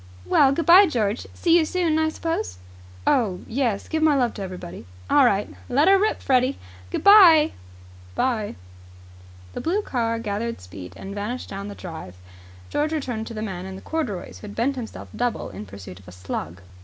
"Well, good bye, George. See you soon, I suppose?" "Oh, yes. Give my love to everybody." "All right. Let her rip, Freddie. Good bye." "Good bye." The blue car gathered speed and vanished down the drive. George returned to the man in corduroys, who had bent himself double in pursuit of a slug.